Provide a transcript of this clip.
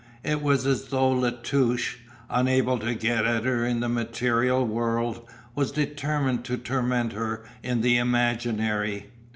It was as though La Touche, unable to get at her in the material world was determined to torment her in the imaginary.